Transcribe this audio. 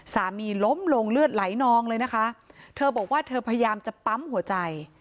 สามีล้มลงเลือดไหลนองเลยนะคะเธอบอกว่าเธอพยายามจะปั๊มหัวใจ